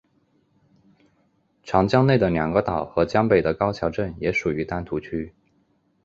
长江内的两个岛和江北的高桥镇也属于丹徒区。